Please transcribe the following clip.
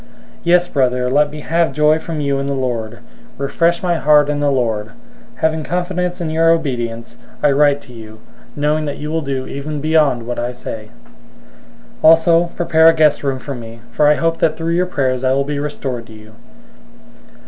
001:020 Yes, brother, let me have joy from you in the Lord. Refresh my heart in the Lord. 001:021 Having confidence in your obedience, I write to you, knowing that you will do even beyond what I say. 001:022 Also, prepare a guest room for me, for I hope that through your prayers I will be restored to you.